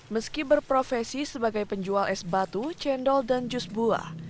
meski berprofesi sebagai penjual es batu cendol dan jus buah